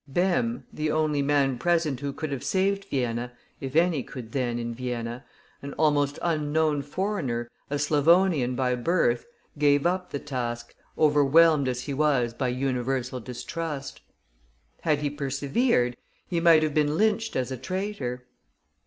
Bem, the only man present who could have saved Vienna, if any could then in Vienna, an almost unknown foreigner, a Slavonian by birth, gave up the task, overwhelmed as he was by universal distrust. Had he persevered, he might have been lynched as a traitor.